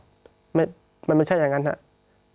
มันไม่ใช่อย่างนั้นครับ